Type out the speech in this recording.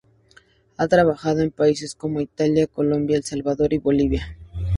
Ha trabajado en países como Italia, Colombia, El Salvador y Bolivia.